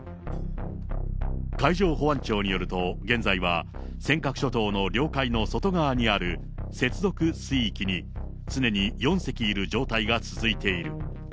海上保安庁によると、現在は尖閣諸島の領海の外側にある接続水域に、常に４隻いる状態が続いている。